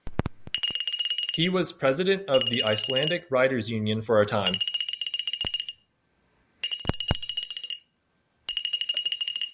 He was President of the Icelandic writers union for a time.